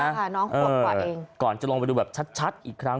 น้องควบความกว่าเองก่อนจะลงไปดูแบบชัดชัดอีกครั้ง